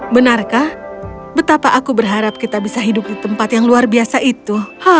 benarkah betapa aku berharap kita bisa hidup di tempat yang luar biasa itu